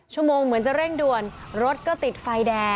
ชั่วโมงเหมือนจะเร่งด่วนรถก็ติดไฟแดง